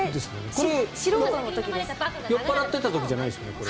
これは酔っ払ってた時じゃないですよね？